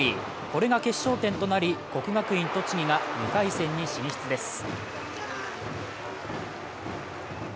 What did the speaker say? これが決勝点となり、国学院栃木が２回戦に進出です。